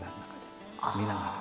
見ながら。